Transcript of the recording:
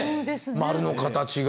丸の形が。